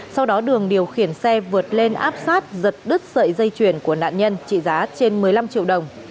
sau đó đường điều khiển xe vượt lên áp sát giật đứt sợi dây chuyền của nạn nhân trị giá trên một mươi năm triệu đồng